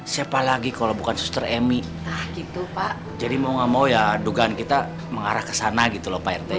siapa lagi kalau bukan suster emi jadi mau nggak mau ya dugaan kita mengarah ke sana gitu lho pak